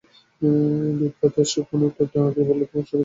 বিপ্রদাস তার কোনো উত্তর না দিয়ে বললে, তোমার শরীর ভালোই দেখছি।